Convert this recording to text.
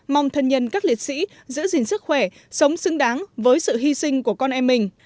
mong thân nhân các liệt sĩ giữ gìn sức khỏe sống xứng đáng với sự hy sinh của con em mình